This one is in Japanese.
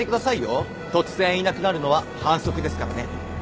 突然いなくなるのは反則ですからね。